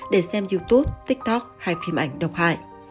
để xem youtube tiktok hay phim ảnh độc hại